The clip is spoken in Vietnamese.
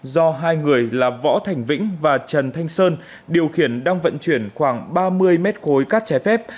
do hai người là võ thành vinh và trần thanh sơn điều khiển đang vận chuyển khoảng ba mươi m cối cát trái phép